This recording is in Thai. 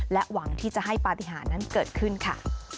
หวังที่จะให้ปฏิหารนั้นเกิดขึ้นค่ะ